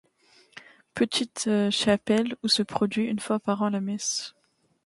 Petite chapelle ou se produit une fois par an la messe.